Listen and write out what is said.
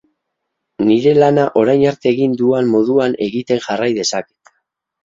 Nire lana orain arte egin duan moduan egiten jarrai dezaket.